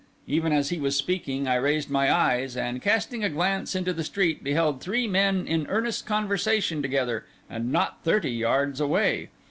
Even as he was speaking, I raised my eyes, and, casting a glance into the street, beheld three men in earnest conversation together, and not thirty yards away.